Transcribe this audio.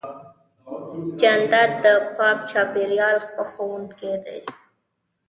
جانداد د پاک چاپېریال خوښوونکی دی.